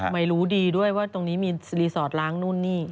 ไม่รู้ดีด้วยว่าตรงนี้มีรีสอร์ทล้างนู่นนี่